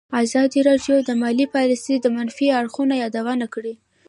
ازادي راډیو د مالي پالیسي د منفي اړخونو یادونه کړې.